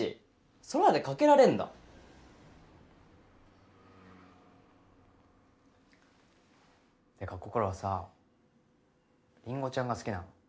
空でかけられんだってか心はさりんごちゃんが好きなの？